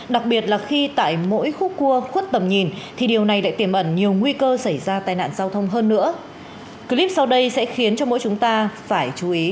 đặc biệt tập trung vào những nguy cơ lây lan dịch bệnh